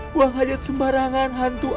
buang aja sembarangan hantu